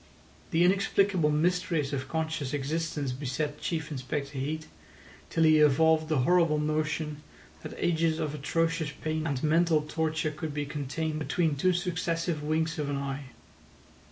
The inexplicable mysteries of conscious existence beset Chief Inspector Heat till he evolved a horrible notion that ages of atrocious pain and mental torture could be contained between two successive winks of an eye.